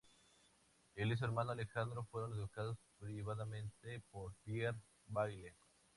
Él y su hermano Alejandro fueron educados privadamente por Pierre Bayle.